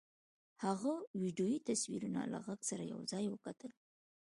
هغه ويډيويي تصويرونه له غږ سره يو ځای وکتل.